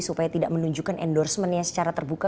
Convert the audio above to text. supaya tidak menunjukkan endorsement nya secara terbuka